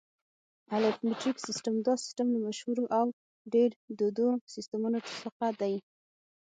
الف: مټریک سیسټم: دا سیسټم له مشهورو او ډېرو دودو سیسټمونو څخه دی.